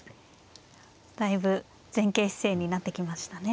だいぶ前傾姿勢になってきましたね。